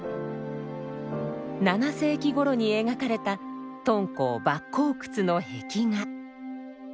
７世紀ごろに描かれた敦煌莫高窟の壁画。